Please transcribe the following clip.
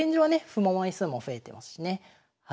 歩も枚数も増えてますしね。